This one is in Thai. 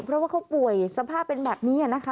เพราะว่าเขาป่วยสภาพเป็นแบบนี้นะคะ